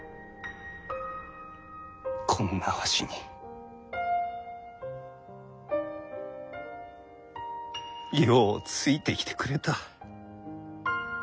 こんなわしにようついてきてくれた。